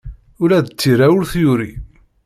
Ula d tira ur t-yuri.